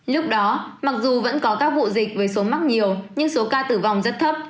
lúc đó mặc dù vẫn có các vụ dịch với số mắc nhiều nhưng số ca tử vong rất thấp